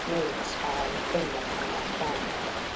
Me, a smiling queen upon my throne?